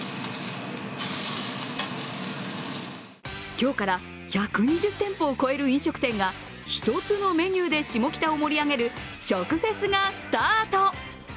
今日から１２０店舗を超える飲食店が一つのメニューでシモキタを盛り上げる食フェスがスタート。